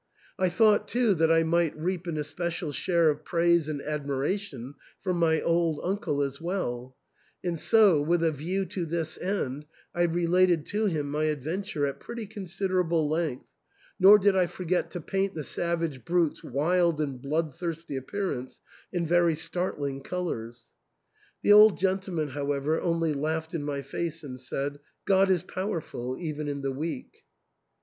I thought, too, that I might reap an especial share of praise and admiration from my old uncle as well ; and so, with a view to this end, I related to him my adventure at pretty considerable length, nor did I forget to paint the savage brute's wild and bloodthirsty appearance in very startling colours. The old gentleman, however, only laughed in my face and said, "God is powerful even in the weak."